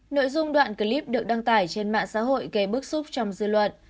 nội dung đoạn clip được đăng tải trên mạng xã hội gây bức xúc trong dư luận